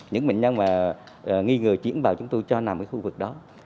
những bệnh nhân nghi ngờ chuyển vào chúng tôi cho nằm cái khu vực đó